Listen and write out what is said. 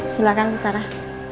silahkan bu sarah